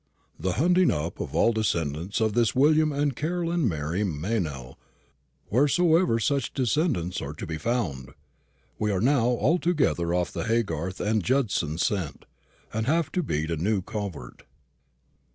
"The hunting up of all descendants of this William and Caroline Mary Meynell, wheresoever such descendants are to be found. We are now altogether off the Haygarth and Judson scent, and have to beat a new covert."